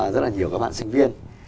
rất là nhiều các bạn sinh viên